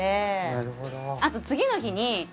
あと次の日に。